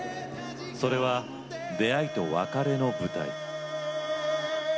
それは出会いと別れの舞台。